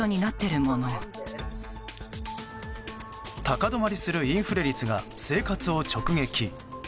高止まりするインフレ率が生活を直撃。